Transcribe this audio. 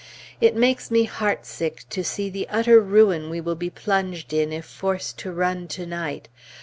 It makes me heartsick to see the utter ruin we will be plunged in if forced to run to night.